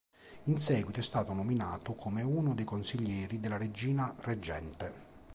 In seguito è stato nominato come uno dei consiglieri della regina reggente.